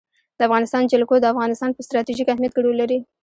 د افغانستان جلکو د افغانستان په ستراتیژیک اهمیت کې رول لري.